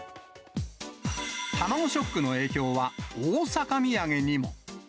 卵ショックの影響は大阪土産にも。